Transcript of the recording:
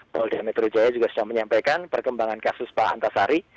polda metro jaya juga sudah menyampaikan perkembangan kasus pak antasari